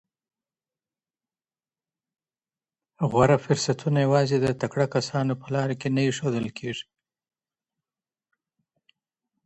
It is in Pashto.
غوره فرصتونه یوازي د تکړه کسانو په لاره کي نه اېښودل کېږي.